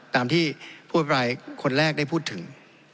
ตามที่ผู้อภิปรายคนแรกได้พูดถึง